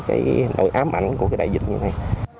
cái tội ám ảnh của cái đại dịch như thế này